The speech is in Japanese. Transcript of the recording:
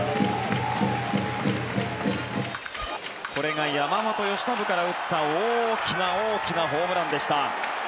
これが山本由伸から打った大きな大きなホームランでした。